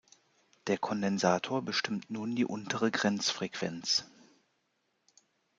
Der Kondensator bestimmt nun die untere Grenzfrequenz.